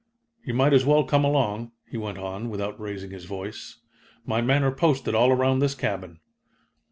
"You might as well come along," he went on, without raising his voice. "My men are posted all around this cabin."